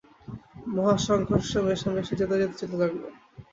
মহাসংঘর্ষ, মেশামেশি, জেতাজিতি চলতে লাগল।